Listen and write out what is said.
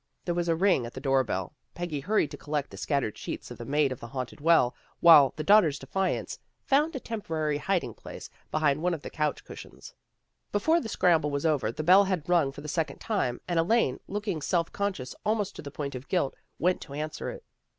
There was a ring at the doorbell. Peggy hurried to collect the scattered sheets of the " Maid of the Haunted Well," while " The Daughter's Defiance " found a temporary hi ding place behind one of the couch cushions. Before the scramble was over the bell had rung for the second time, and Elaine, looking self conscious almost to the point of guilt, went to answer it.